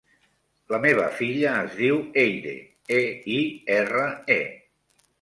La meva filla es diu Eire: e, i, erra, e.